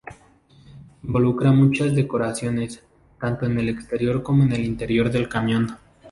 Involucra muchas decoraciones, tanto en el exterior como en el interior del camión.